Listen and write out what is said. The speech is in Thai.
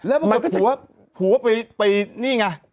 แล้วผัวไปนี่ไง